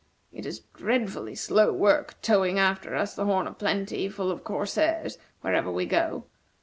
It is dreadfully slow work, towing after us the 'Horn o' Plenty,' full of corsairs, wherever we go.